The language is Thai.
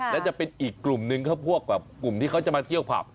และจะเป็นอีกกลุ่มนึงครับพวกแบบกลุ่มที่เขาจะมาเที่ยวผับ